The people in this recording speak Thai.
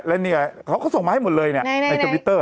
อืมแล้วนี่ก็เล่นไงเค้าส่งมาให้หมดเลยเนี่ยในทวิตเตอร์